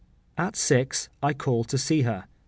At six I called to see her.